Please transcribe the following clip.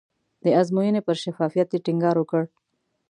د ازموینې پر شفافیت یې ټینګار وکړ.